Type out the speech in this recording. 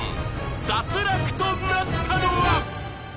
脱落となったのは？］